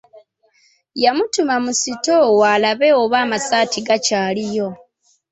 Yamutuma mu sitoowa alabe oba amasaati gakyaliyo.